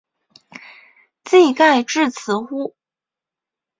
技盖至此乎？